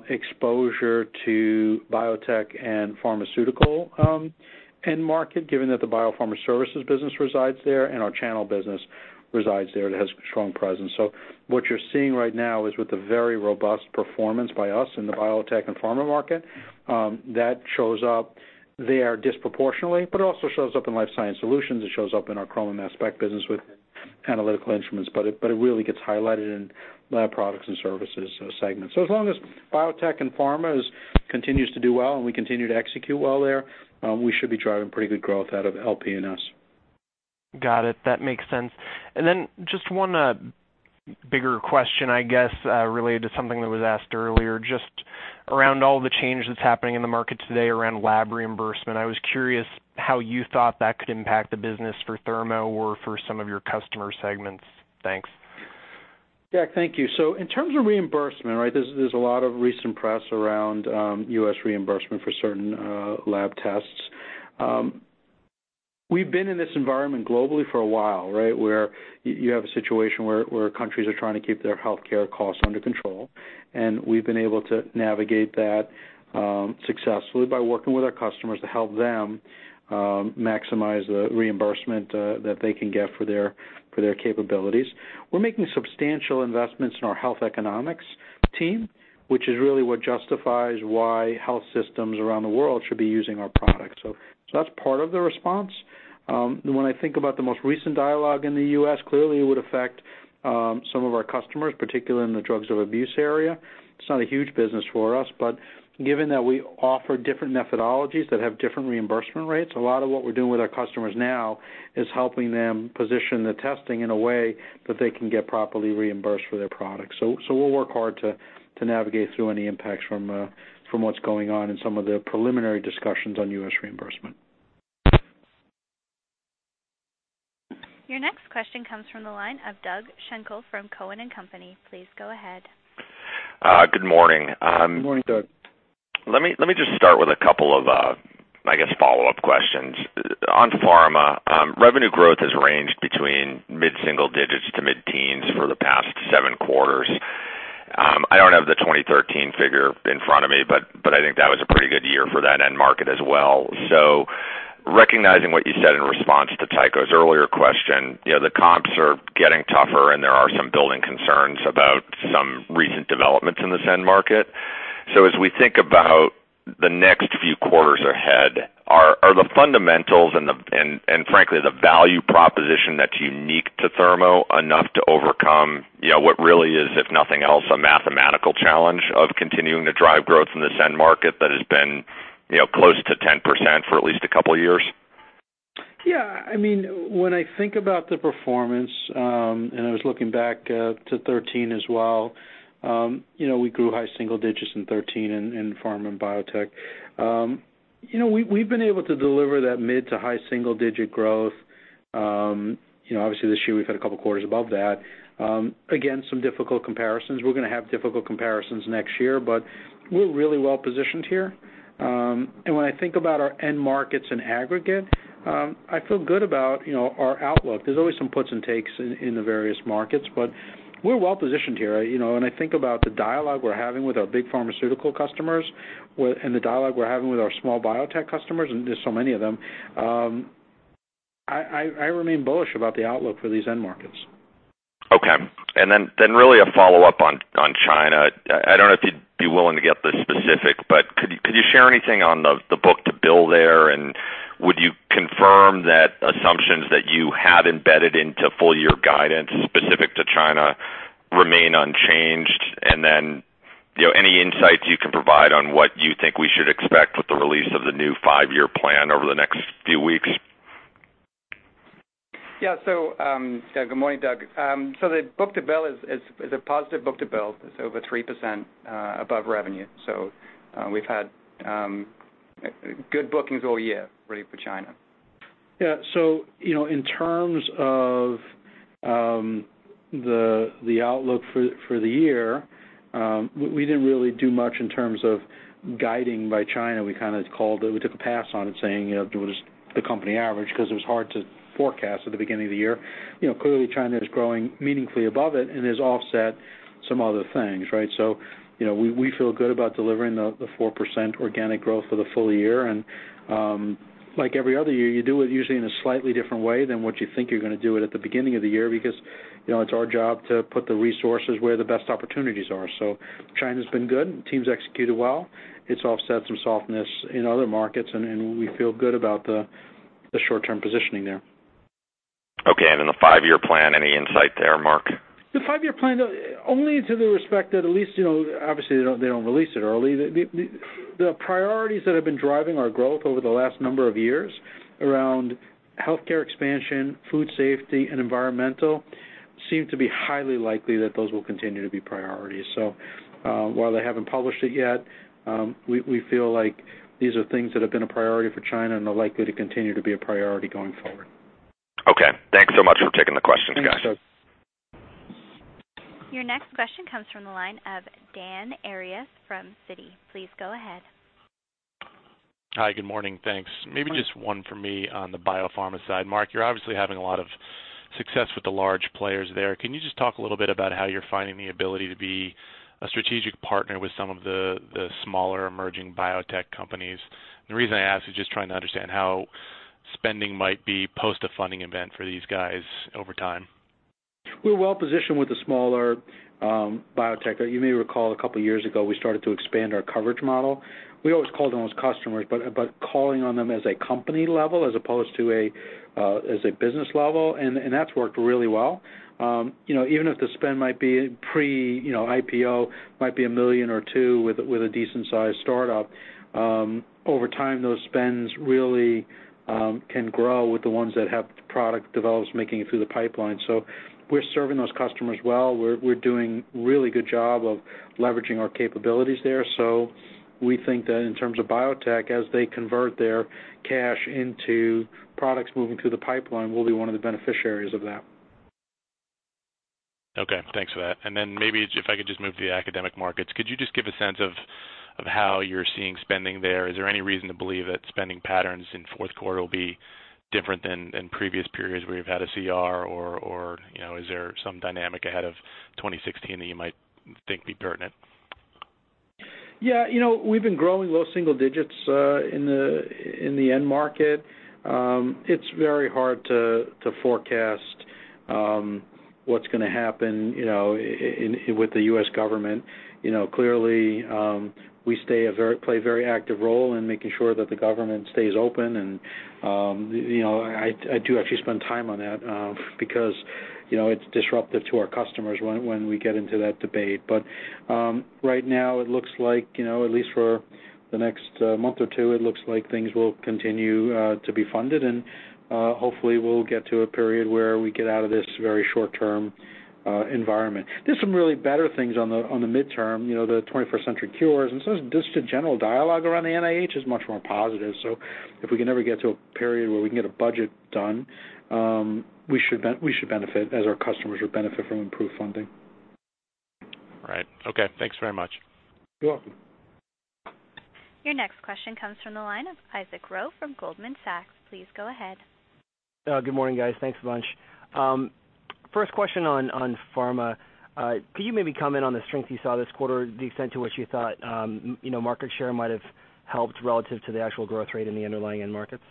exposure to biotech and pharmaceutical end market, given that the Biopharma Services business resides there and our channel business resides there. It has a strong presence. What you're seeing right now is with the very robust performance by us in the biotech and pharma market, that shows up there disproportionately, but also shows up in Life Sciences Solutions. It shows up in our chroma and mass spec business with Analytical Instruments, but it really gets highlighted in Lab Products and Services segments. As long as biotech and pharma continues to do well and we continue to execute well there, we should be driving pretty good growth out of LP&S. Got it. That makes sense. Bigger question, I guess, related to something that was asked earlier, just around all the change that's happening in the market today around lab reimbursement. I was curious how you thought that could impact the business for Thermo or for some of your customer segments. Thanks. Jack, thank you. In terms of reimbursement, there's a lot of recent press around U.S. reimbursement for certain lab tests. We've been in this environment globally for a while, where you have a situation where countries are trying to keep their healthcare costs under control, and we've been able to navigate that successfully by working with our customers to help them maximize the reimbursement that they can get for their capabilities. We're making substantial investments in our health economics team, which is really what justifies why health systems around the world should be using our products. That's part of the response. When I think about the most recent dialogue in the U.S., clearly it would affect some of our customers, particularly in the drugs of abuse area. It's not a huge business for us, but given that we offer different methodologies that have different reimbursement rates, a lot of what we're doing with our customers now is helping them position the testing in a way that they can get properly reimbursed for their products. We'll work hard to navigate through any impacts from what's going on in some of the preliminary discussions on U.S. reimbursement. Your next question comes from the line of Doug Schenkel from Cowen and Company. Please go ahead. Good morning. Good morning, Doug. Let me just start with a couple of, I guess, follow-up questions. On pharma, revenue growth has ranged between mid-single digits to mid-teens for the past seven quarters. I don't have the 2013 figure in front of me, but I think that was a pretty good year for that end market as well. Recognizing what you said in response to Tycho's earlier question, the comps are getting tougher, and there are some building concerns about some recent developments in this end market. As we think about the next few quarters ahead, are the fundamentals and frankly, the value proposition that's unique to Thermo enough to overcome what really is, if nothing else, a mathematical challenge of continuing to drive growth in this end market that has been close to 10% for at least a couple of years? When I think about the performance, and I was looking back to 2013 as well, we grew high single-digits in 2013 in pharma and biotech. We've been able to deliver that mid-to-high single-digit growth. Obviously, this year we've had a couple of quarters above that. Some difficult comparisons. We're going to have difficult comparisons next year, we're really well-positioned here. When I think about our end markets in aggregate, I feel good about our outlook. There's always some puts and takes in the various markets, we're well-positioned here. When I think about the dialogue we're having with our big pharmaceutical customers and the dialogue we're having with our small biotech customers, there's so many of them, I remain bullish about the outlook for these end markets. Okay. Really a follow-up on China. I don't know if you'd be willing to get this specific, could you share anything on the book-to-bill there? Would you confirm that assumptions that you had embedded into full-year guidance specific to China remain unchanged? Any insights you can provide on what you think we should expect with the release of the new Five-Year Plan over the next few weeks? Good morning, Doug. The book-to-bill is a positive book-to-bill. It's over 3% above revenue. We've had good bookings all year really for China. In terms of the outlook for the year, we didn't really do much in terms of guiding by China. We took a pass on it, saying it was the company average because it was hard to forecast at the beginning of the year. Clearly, China is growing meaningfully above it and has offset some other things, right? We feel good about delivering the 4% organic growth for the full year, like every other year, you do it usually in a slightly different way than what you think you're going to do it at the beginning of the year because it's our job to put the resources where the best opportunities are. China's been good, the team's executed well. It's offset some softness in other markets, we feel good about the short-term positioning there. Okay, in the five-year plan, any insight there, Marc? The five-year plan, only to the respect that at least, obviously they don't release it early. The priorities that have been driving our growth over the last number of years around healthcare expansion, food safety, and environmental seem to be highly likely that those will continue to be priorities. While they haven't published it yet, we feel like these are things that have been a priority for China and are likely to continue to be a priority going forward. Okay. Thanks so much for taking the question, guys. Thanks, Doug. Your next question comes from the line of Daniel Arias from Citi. Please go ahead. Hi, good morning, thanks. Good morning. Maybe just one for me on the biopharma side. Marc, you're obviously having a lot of success with the large players there. Can you just talk a little bit about how you're finding the ability to be a strategic partner with some of the smaller emerging biotech companies? The reason I ask is just trying to understand how spending might be post a funding event for these guys over time. We're well-positioned with the smaller biotech. You may recall a couple of years ago, we started to expand our coverage model. We always called on those customers, but calling on them as a company level as opposed to a business level, and that's worked really well. Even if the spend might be pre-IPO, might be a million or two with a decent-sized startup, over time, those spends really can grow with the ones that have product develops making it through the pipeline. We're serving those customers well. We're doing a really good job of leveraging our capabilities there. We think that in terms of biotech, as they convert their cash into products moving through the pipeline, we'll be one of the beneficiaries of that. Okay, thanks for that. Then maybe if I could just move to the academic markets, could you just give a sense of how you're seeing spending there? Is there any reason to believe that spending patterns in fourth quarter will be different than in previous periods where you've had a CR, or is there some dynamic ahead of 2016 that you might think be pertinent? Yeah, we've been growing low single digits in the end market. It's very hard to forecast what's going to happen with the U.S. government. Clearly, we play a very active role in making sure that the government stays open, and I do actually spend time on that, because it's disruptive to our customers when we get into that debate. But right now, it looks like, at least for the next month or two, it looks like things will continue to be funded, and hopefully, we'll get to a period where we get out of this very short-term environment. There's some really better things on the midterm, the 21st Century Cures, so just the general dialogue around the NIH is much more positive. If we can ever get to a period where we can get a budget done, we should benefit as our customers should benefit from improved funding. Right. Okay, thanks very much. You're welcome. Your next question comes from the line of Isaac Ro from Goldman Sachs. Please go ahead. Good morning, guys. Thanks a bunch. First question on pharma. Could you maybe comment on the strength you saw this quarter, the extent to which you thought market share might have helped relative to the actual growth rate in the underlying end markets?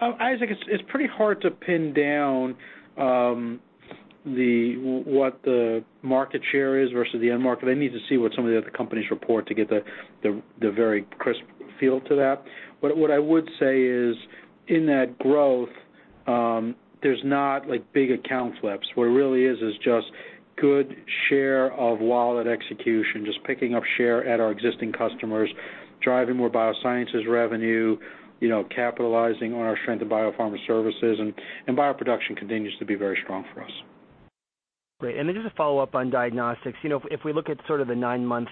Isaac, it's pretty hard to pin down what the market share is versus the end market. I need to see what some of the other companies report to get the very crisp feel to that. What I would say is, in that growth, there's not big account flips. What it really is just good share of wallet execution, just picking up share at our existing customers, driving more biosciences revenue, capitalizing on our strength of biopharma services, and bioproduction continues to be very strong for us. Just a follow-up on diagnostics. If we look at sort of the 9-month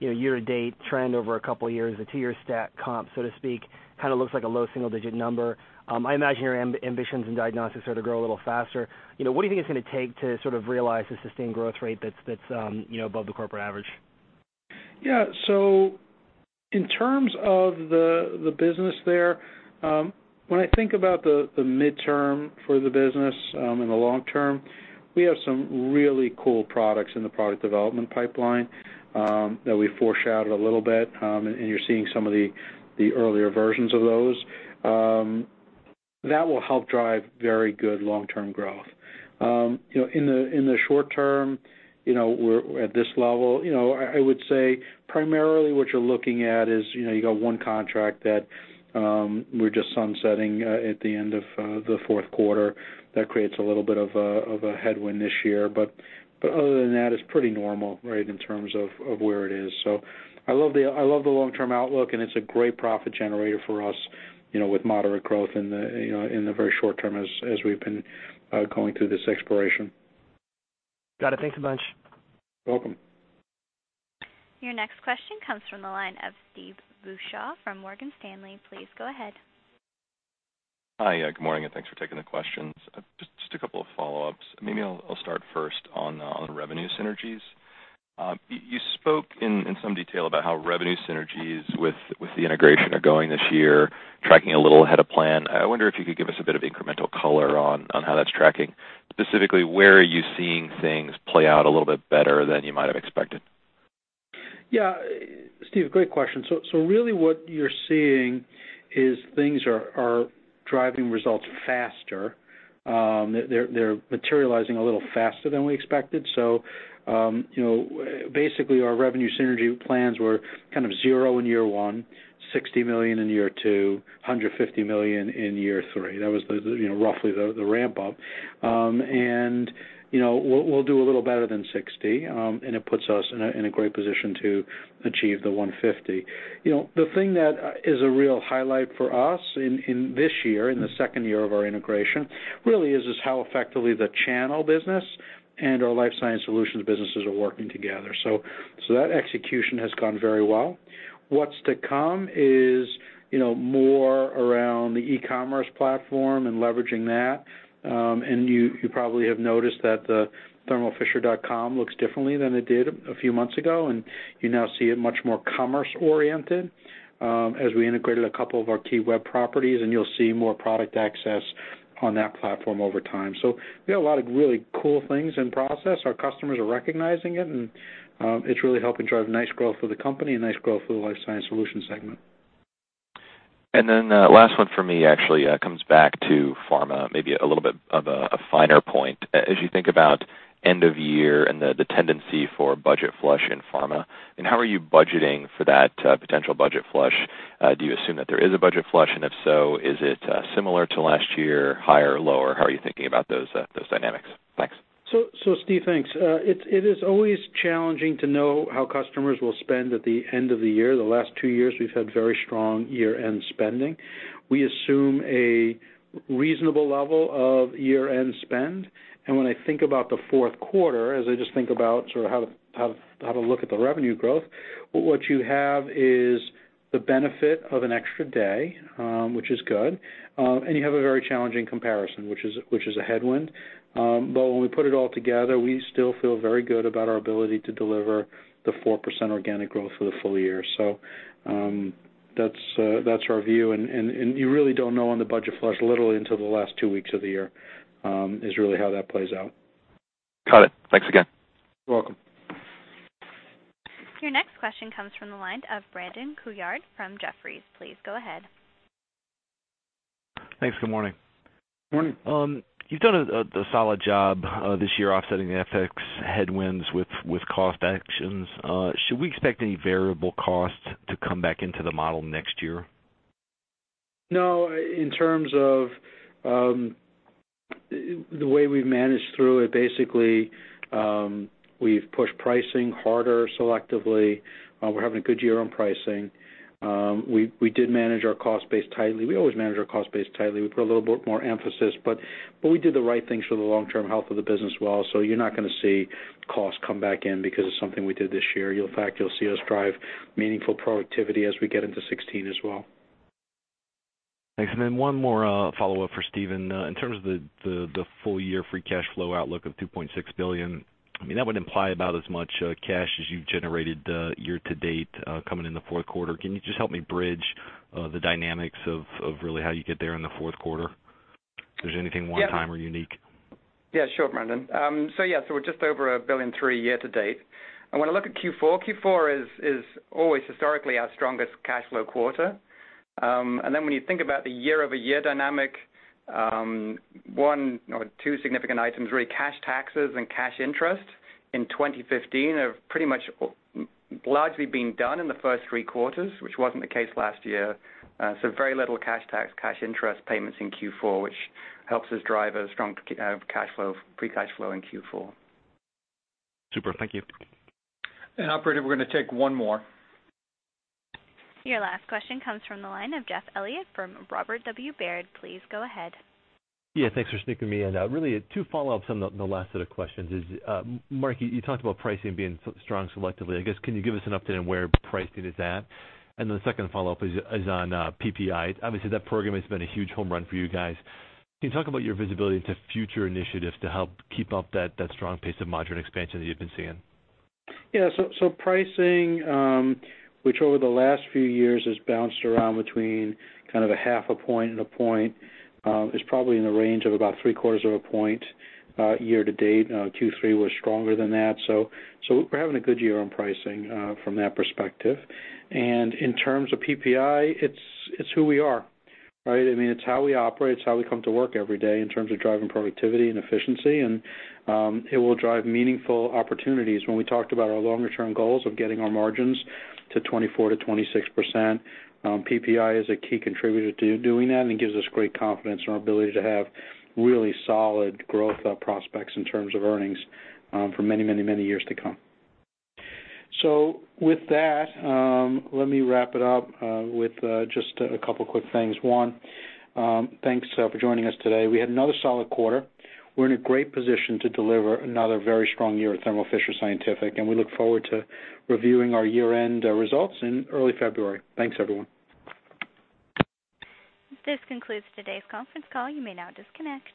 year-to-date trend over a couple of years, the 2-year stack comp, so to speak, kind of looks like a low single-digit number. I imagine your ambitions in diagnostics are to grow a little faster. What do you think it's going to take to realize a sustained growth rate that's above the corporate average? Yeah. In terms of the business there, when I think about the midterm for the business and the long term, we have some really cool products in the product development pipeline that we foreshadowed a little bit, and you're seeing some of the earlier versions of those. That will help drive very good long-term growth. In the short term, at this level, I would say primarily what you're looking at is you got one contract that we're just sunsetting at the end of the fourth quarter that creates a little bit of a headwind this year. Other than that, it's pretty normal in terms of where it is. I love the long-term outlook, and it's a great profit generator for us with moderate growth in the very short term as we've been going through this exploration. Got it. Thanks a bunch. Welcome. Your next question comes from the line of Steve Beuchaw from Morgan Stanley. Please go ahead. Hi, good morning, and thanks for taking the questions. Just a couple of follow-ups. I'll start first on revenue synergies. You spoke in some detail about how revenue synergies with the integration are going this year, tracking a little ahead of plan. I wonder if you could give us a bit of incremental color on how that's tracking. Specifically, where are you seeing things play out a little bit better than you might have expected? Steve, great question. Really what you're seeing is things are driving results faster. They're materializing a little faster than we expected. Basically, our revenue synergy plans were kind of zero in year 1, $60 million in year 2, $150 million in year 3. That was roughly the ramp up. We'll do a little better than $60 million, and it puts us in a great position to achieve the $150 million. The thing that is a real highlight for us in this year, in the second year of our integration, really is how effectively the channel business and our Life Sciences Solutions businesses are working together. That execution has gone very well. What's to come is more around the e-commerce platform and leveraging that. You probably have noticed that the thermofisher.com looks differently than it did a few months ago, and you now see it much more commerce-oriented as we integrated a couple of our key web properties, and you'll see more product access on that platform over time. We got a lot of really cool things in process. Our customers are recognizing it, and it's really helping drive nice growth for the company and nice growth for the Life Sciences Solutions segment. Last one for me actually comes back to pharma, maybe a little bit of a finer point. As you think about end of year and the tendency for budget flush in pharma, and how are you budgeting for that potential budget flush? Do you assume that there is a budget flush, and if so, is it similar to last year, higher or lower? How are you thinking about those dynamics? Thanks. Steve, thanks. It is always challenging to know how customers will spend at the end of the year. The last two years, we've had very strong year-end spending. We assume a reasonable level of year-end spend. When I think about the fourth quarter, as I just think about how to look at the revenue growth, what you have is the benefit of an extra day, which is good, and you have a very challenging comparison, which is a headwind. When we put it all together, we still feel very good about our ability to deliver the 4% organic growth for the full year. That's our view, and you really don't know on the budget flush literally until the last two weeks of the year, is really how that plays out. Got it. Thanks again. You're welcome. Your next question comes from the line of Brandon Couillard from Jefferies. Please go ahead. Thanks. Good morning. Morning. You've done a solid job this year offsetting the FX headwinds with cost actions. Should we expect any variable costs to come back into the model next year? No, in terms of the way we've managed through it, basically, we've pushed pricing harder selectively. We're having a good year on pricing. We did manage our cost base tightly. We always manage our cost base tightly. We put a little bit more emphasis, but we did the right things for the long-term health of the business well. You're not going to see costs come back in because of something we did this year. In fact, you'll see us drive meaningful productivity as we get into 2016 as well. Thanks. One more follow-up for Stephen. In terms of the full year free cash flow outlook of $2.6 billion, that would imply about as much cash as you've generated year-to-date coming in the fourth quarter. Can you just help me bridge the dynamics of really how you get there in the fourth quarter? If there's anything one-time or unique. Yeah, sure, Brandon. We're just over $1.3 billion year-to-date. When I look at Q4 is always historically our strongest cash flow quarter. When you think about the year-over-year dynamic, one or two significant items, really cash taxes and cash interest in 2015 have pretty much largely been done in the first three quarters, which wasn't the case last year. Very little cash tax, cash interest payments in Q4, which helps us drive a strong free cash flow in Q4. Super. Thank you. Operator, we're going to take one more. Your last question comes from the line of Jeff Elliott from Robert W. Baird. Please go ahead. Yeah, thanks for sneaking me in. Really two follow-ups on the last set of questions is, Marc, you talked about pricing being strong selectively. I guess, can you give us an update on where pricing is at? The second follow-up is on PPI. Obviously, that program has been a huge home run for you guys. Can you talk about your visibility into future initiatives to help keep up that strong pace of margin expansion that you've been seeing? Pricing, which over the last few years has bounced around between kind of a half a point and a point, is probably in the range of about three-quarters of a point year to date. Q3 was stronger than that. We're having a good year on pricing from that perspective. In terms of PPI, it's who we are. It's how we operate. It's how we come to work every day in terms of driving productivity and efficiency, and it will drive meaningful opportunities. When we talked about our longer-term goals of getting our margins to 24%-26%, PPI is a key contributor to doing that and it gives us great confidence in our ability to have really solid growth prospects in terms of earnings for many years to come. With that, let me wrap it up with just a couple of quick things. Thanks for joining us today. We had another solid quarter. We're in a great position to deliver another very strong year at Thermo Fisher Scientific. We look forward to reviewing our year-end results in early February. Thanks, everyone. This concludes today's conference call. You may now disconnect.